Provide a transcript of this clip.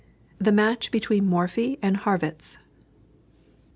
THE MATCH BETWEEN MORPHY AND HARRWITZ.